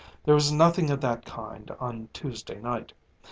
There was nothing of that kind on Tuesday night.